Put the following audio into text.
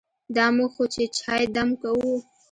دا موږ خو چې چای دم کوو.